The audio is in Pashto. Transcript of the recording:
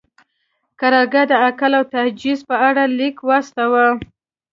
قرارګاه د اکل او تجهیز په اړه لیک واستاوه.